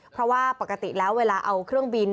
เพราะว่าปกติแล้วเวลาเอาเครื่องบิน